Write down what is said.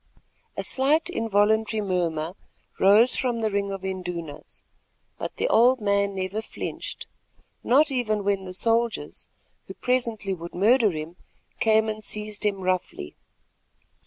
[*] Sir Theophilus Shepstone's. A slight involuntary murmur rose from the ring of indunas, but the old man never flinched, not even when the soldiers, who presently would murder him, came and seized him roughly.